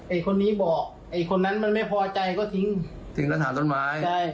ไอ้คนนี้บอกไอ้คนนั้นมันไม่พอใจก็ทิ้งถึงกระถางต้นไม้ใช่